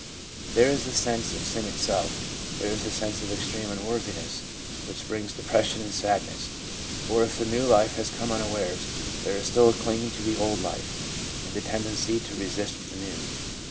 There is the sense of sin itself; there is the sense of extreme un worthiness, which brings depression and sadness; or if the new life has come unawares, there is still a clinging to the old life, and a tendency to resist the new.